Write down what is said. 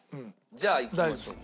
じゃあいきましょう。